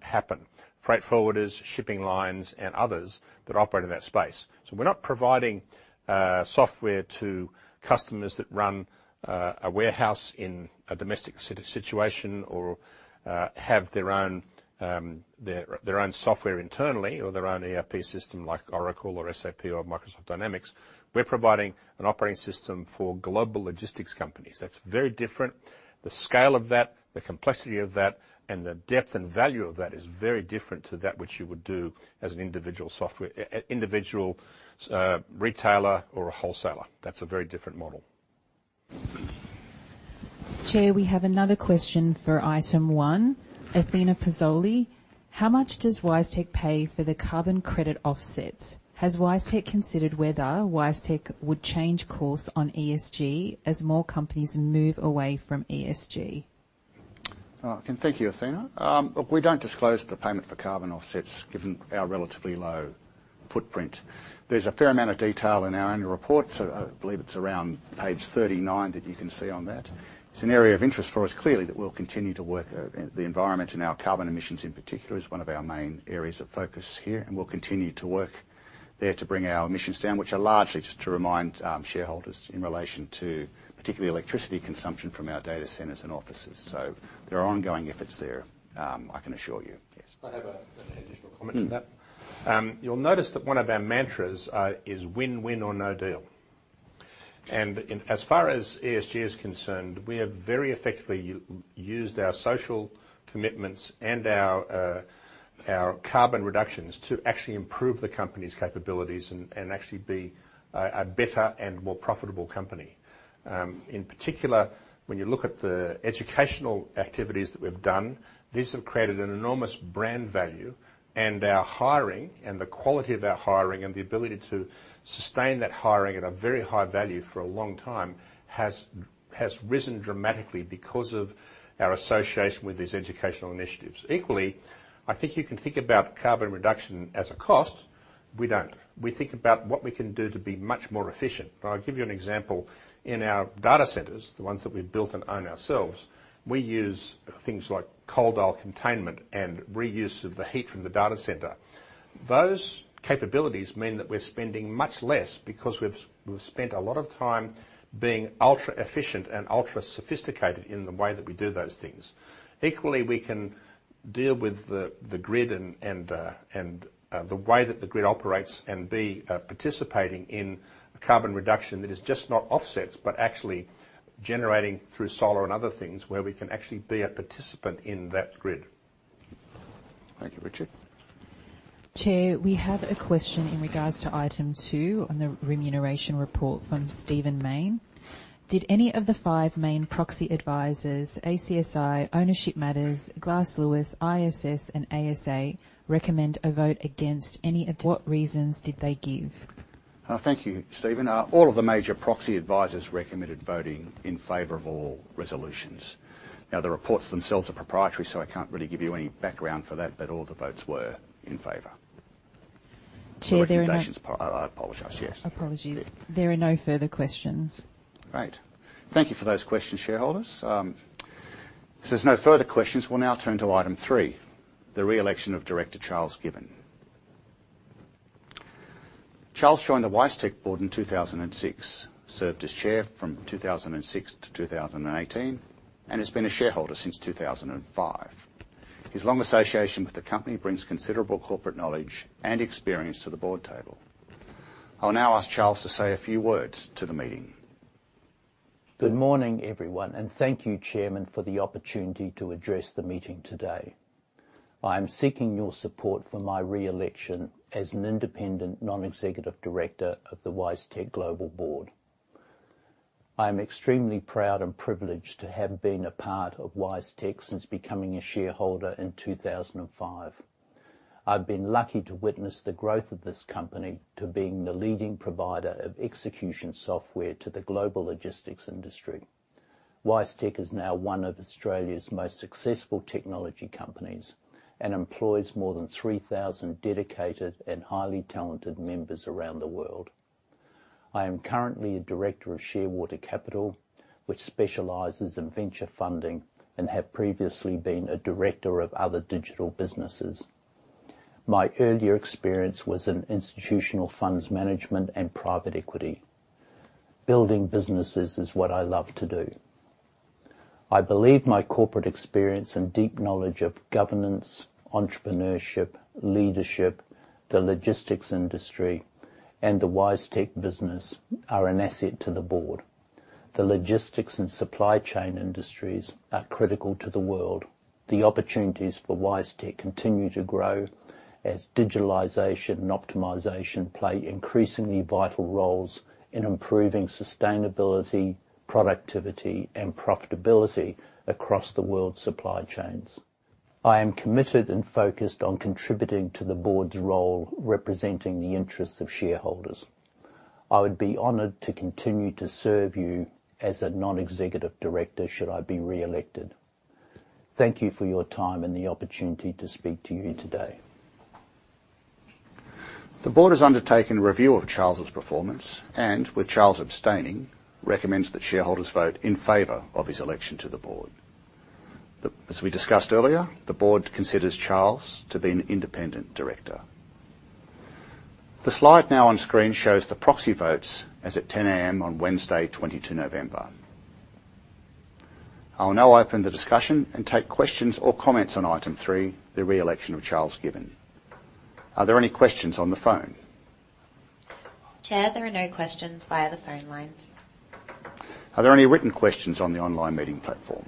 happen, freight forwarders, shipping lines, and others that operate in that space. So we're not providing software to customers that run a warehouse in a domestic situation or have their own software internally or their own ERP system, like Oracle or SAP or Microsoft Dynamics. We're providing an operating system for global logistics companies. That's very different. The scale of that, the complexity of that, and the depth and value of that is very different to that which you would do as an individual retailer or a wholesaler. That's a very different model. Chair, we have another question for item one. Athena Pazzolli, how much does WiseTech pay for the carbon credit offsets? Has WiseTech considered whether WiseTech would change course on ESG as more companies move away from ESG? And thank you, Athena. We don't disclose the payment for carbon offsets, given our relatively low footprint. There's a fair amount of detail in our annual report, so I, I believe it's around page 39 that you can see on that. It's an area of interest for us, clearly, that we'll continue to work, the environment and our carbon emissions in particular, is one of our main areas of focus here, and we'll continue to work there to bring our emissions down. Which are largely, just to remind, shareholders, in relation to particularly electricity consumption from our data centers and offices. So there are ongoing efforts there, I can assure you. Yes. I have an additional comment on that. You'll notice that one of our mantras is win-win or no deal, and in as far as ESG is concerned, we have very effectively used our social commitments and our carbon reductions to actually improve the company's capabilities and actually be a better and more profitable company. In particular, when you look at the educational activities that we've done, these have created an enormous brand value. And our hiring and the quality of our hiring and the ability to sustain that hiring at a very high value for a long time has risen dramatically because of our association with these educational initiatives. Equally, I think you can think about carbon reduction as a cost. We don't. We think about what we can do to be much more efficient. But I'll give you an example. In our data centers, the ones that we've built and own ourselves, we use things like cold aisle containment and reuse of the heat from the data center. Those capabilities mean that we're spending much less because we've spent a lot of time being ultra-efficient and ultra-sophisticated in the way that we do those things. Equally, we can deal with the grid and the way that the grid operates and be participating in a carbon reduction that is just not offsets, but actually generating through solar and other things, where we can actually be a participant in that grid. Thank you, Richard. Chair, we have a question in regards to Item 2 on the Remuneration Report from Stephen Mayne. Did any of the five main proxy advisors, ACSI, Ownership Matters, Glass Lewis, ISS, and ASA, recommend a vote against any report reasons did they give? Thank you, Stephen. All of the major proxy advisors recommended voting in favor of all resolutions. Now, the reports themselves are proprietary, so I can't really give you any background for that, but all the votes were in favor. Chair, there are no. Recommendations. I apologize, yes. Apologies. There are no further questions. Great. Thank you for those questions, shareholders. Since there's no further questions, we'll now turn to item three, the re-election of Director Charles Gibbon. Charles joined the WiseTech board in 2006, served as chair from 2006-2018, and has been a shareholder since 2005. His long association with the company brings considerable corporate knowledge and experience to the board table. I'll now ask Charles to say a few words to the meeting. Good morning, everyone, and thank you, Chairman, for the opportunity to address the meeting today. I am seeking your support for my re-election as an independent, non-executive director of the WiseTech Global board. I am extremely proud and privileged to have been a part of WiseTech since becoming a shareholder in 2005. I've been lucky to witness the growth of this company to being the leading provider of execution software to the global logistics industry. WiseTech is now one of Australia's most successful technology companies and employs more than 3,000 dedicated and highly talented members around the world. I am currently a director of Shearwater Capital, which specializes in venture funding, and have previously been a director of other digital businesses. My earlier experience was in institutional funds management and private equity. Building businesses is what I love to do. I believe my corporate experience and deep knowledge of governance, entrepreneurship, leadership, the logistics industry, and the WiseTech business are an asset to the board. The logistics and supply chain industries are critical to the world. The opportunities for WiseTech continue to grow as digitalization and optimization play increasingly vital roles in improving sustainability, productivity, and profitability across the world's supply chains. I am committed and focused on contributing to the board's role, representing the interests of shareholders. I would be honored to continue to serve you as a non-executive director, should I be re-elected. Thank you for your time and the opportunity to speak to you today. The board has undertaken a review of Charles's performance and, with Charles abstaining, recommends that shareholders vote in favor of his election to the board. As we discussed earlier, the board considers Charles to be an independent director. The slide now on screen shows the proxy votes as at 10 A.M. on Wednesday, 22nd November. I will now open the discussion and take questions or comments on item three, the re-election of Charles Gibbon. Are there any questions on the phone? Chair, there are no questions via the phone lines. Are there any written questions on the online meeting platform?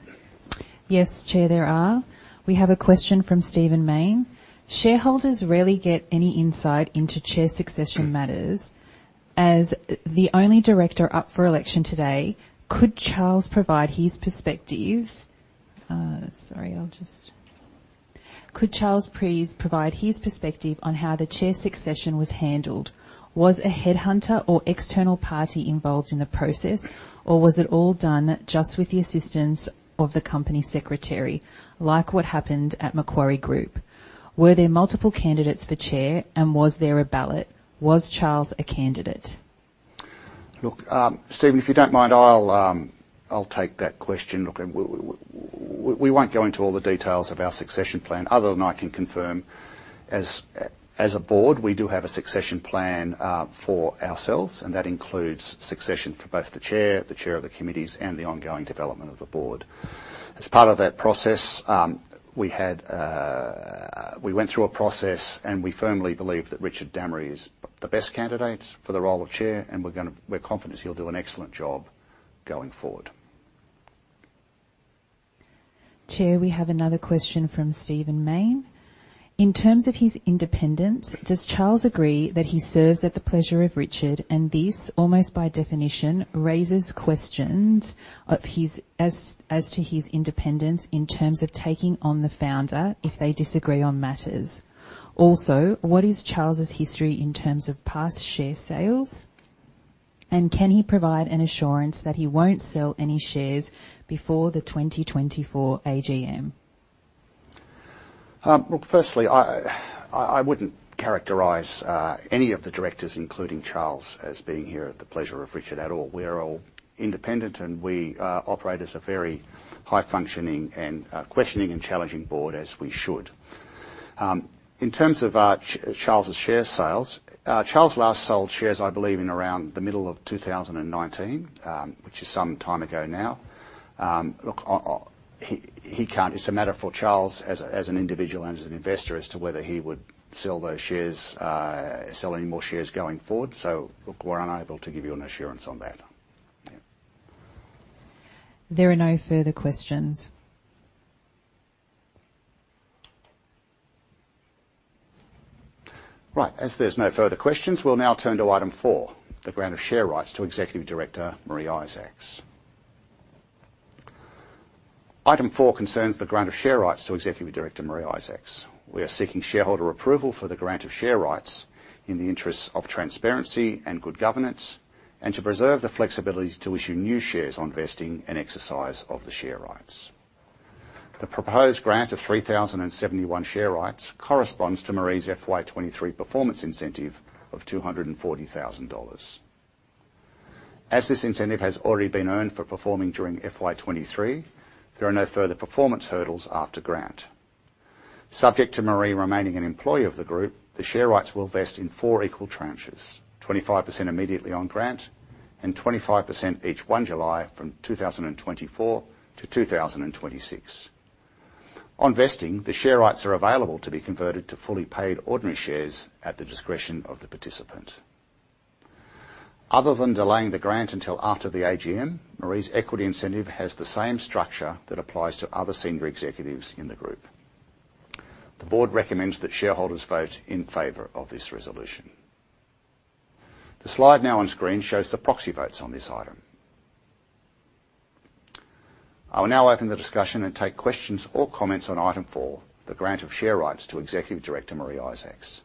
Yes, Chair, there are. We have a question from Stephen Mayne. Shareholders rarely get any insight into chair succession matters. As the only director up for election today, could Charles Gibbon provide his perspective on how the chair succession was handled? Was a headhunter or external party involved in the process, or was it all done just with the assistance of the company secretary, like what happened at Macquarie Group? Were there multiple candidates for chair, and was there a ballot? Was Charles a candidate? Look, Stephen, if you don't mind, I'll, I'll take that question. Look, we won't go into all the details of our succession plan, other than I can confirm, as, as a board, we do have a succession plan, for ourselves, and that includes succession for both the chair, the chair of the committees, and the ongoing development of the board. As part of that process, we had, we went through a process, and we firmly believe that Richard Dammery is the best candidate for the role of chair, and we're gonna—we're confident he'll do an excellent job going forward. Chair, we have another question from Stephen Mayne, "In terms of his independence, does Charles agree that he serves at the pleasure of Richard, and this, almost by definition, raises questions of his—as to his independence in terms of taking on the founder if they disagree on matters? Also, what is Charles's history in terms of past share sales, and can he provide an assurance that he won't sell any shares before the 2024 AGM? Look, firstly, I wouldn't characterize any of the directors, including Charles, as being here at the pleasure of Richard at all. We're all independent, and we operate as a very high-functioning and questioning and challenging board, as we should. In terms of Charles's share sales, Charles last sold shares, I believe, in around the middle of 2019, which is some time ago now. Look, it's a matter for Charles as an individual and as an investor as to whether he would sell those shares, sell any more shares going forward. So, look, we're unable to give you an assurance on that. Yeah. There are no further questions. Right. As there's no further questions, we'll now turn to item four, the grant of share rights to Executive Director Maree Isaacs. Item four concerns the grant of share rights to Executive Director Maree Isaacs. We are seeking shareholder approval for the grant of share rights in the interests of transparency and good governance, and to preserve the flexibility to issue new shares on vesting and exercise of the share rights. The proposed grant of 3,071 share rights corresponds to Maree's FY2023 performance incentive of 240,000 dollars. As this incentive has already been earned for performing during FY2023, there are no further performance hurdles after grant. Subject to Maree remaining an employee of the group, the share rights will vest in four equal tranches: 25% immediately on grant and 25% each 1st July from 2024-2026. On vesting, the share rights are available to be converted to fully paid ordinary shares at the discretion of the participant. Other than delaying the grant until after the AGM, Maree's equity incentive has the same structure that applies to other senior executives in the group. The board recommends that shareholders vote in favor of this resolution. The slide now on screen shows the proxy votes on this item. I will now open the discussion and take questions or comments on item four, the grant of share rights to Executive Director Maree Isaacs.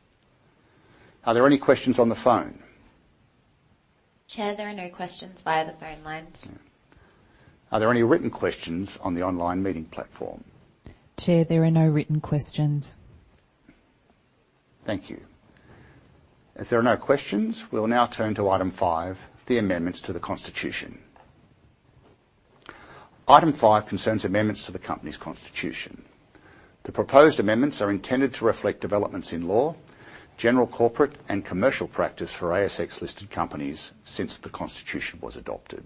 Are there any questions on the phone? Chair, there are no questions via the phone lines. Are there any written questions on the online meeting platform? Chair, there are no written questions. Thank you. As there are no questions, we will now turn to item 5, the amendments to the Constitution. Item 5 concerns amendments to the company's constitution. The proposed amendments are intended to reflect developments in law, general corporate and commercial practice for ASX listed companies since the Constitution was adopted.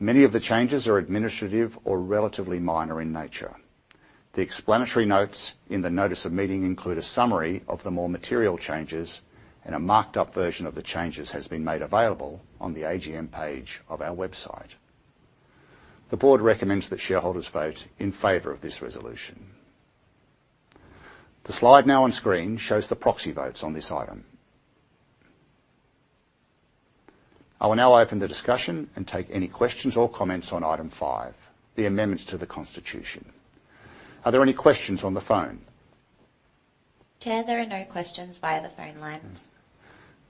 Many of the changes are administrative or relatively minor in nature. The explanatory notes in the notice of meeting include a summary of the more material changes, and a marked up version of the changes has been made available on the AGM page of our website. The Board recommends that shareholders vote in favor of this resolution. The slide now on screen shows the proxy votes on this item. I will now open the discussion and take any questions or comments on item 5, the amendments to the Constitution. Are there any questions on the phone? Chair, there are no questions via the phone lines.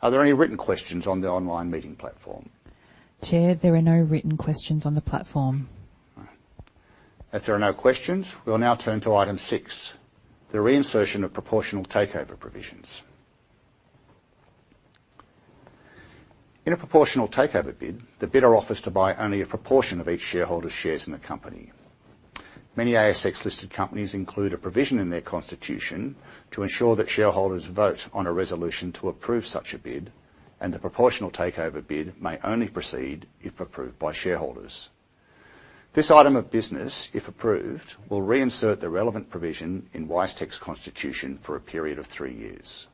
Are there any written questions on the online meeting platform? Chair, there are no written questions on the platform. All right. If there are no questions, we will now turn to item 6, the reinsertion of proportional takeover provisions. In a proportional takeover bid, the bidder offers to buy only a proportion of each shareholder's shares in the company. Many ASX listed companies include a provision in their constitution to ensure that shareholders vote on a resolution to approve such a bid, and the proportional takeover bid may only proceed if approved by shareholders. This item of business, if approved, will reinsert the relevant provision in WiseTech's constitution for a period of 3 years.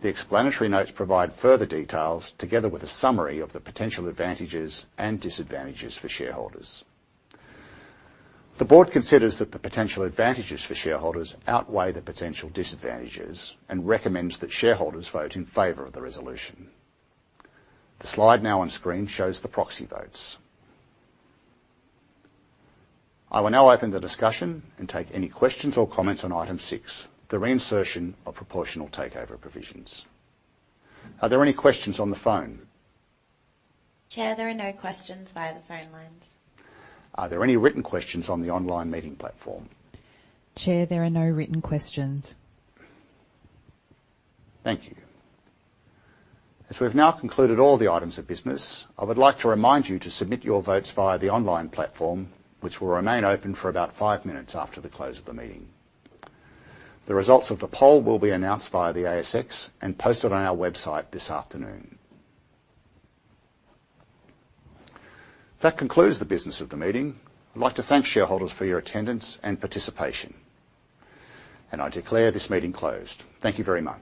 The explanatory notes provide further details, together with a summary of the potential advantages and disadvantages for shareholders. The Board considers that the potential advantages for shareholders outweigh the potential disadvantages and recommends that shareholders vote in favor of the resolution. The slide now on screen shows the proxy votes. I will now open the discussion and take any questions or comments on Item 6, the reinsertion of proportional takeover provisions. Are there any questions on the phone? Chair, there are no questions via the phone lines. Are there any written questions on the online meeting platform? Chair, there are no written questions. Thank you. As we've now concluded all the items of business, I would like to remind you to submit your votes via the online platform, which will remain open for about five minutes after the close of the meeting. The results of the poll will be announced via the ASX and posted on our website this afternoon. That concludes the business of the meeting. I'd like to thank shareholders for your attendance and participation, and I declare this meeting closed. Thank you very much.